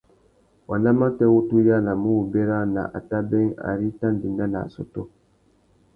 Wanda matê wu tu yānamú wu bérana a tà being ari i tà ndénda nà assôtô.